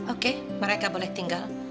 oke mereka boleh tinggal